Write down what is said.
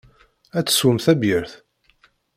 Ad teswem tabyirt?